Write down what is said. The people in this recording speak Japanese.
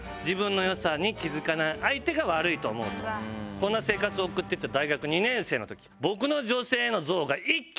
こんな生活を送ってて大学２年生の時僕の。